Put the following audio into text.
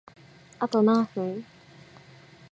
あと何分？